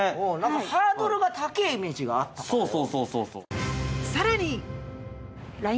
ハードルが高ぇイメージがあったからよ。